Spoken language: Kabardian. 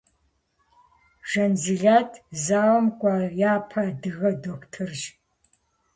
Жанзилэт зауэм кӏуа япэ адыгэ дохутырщ.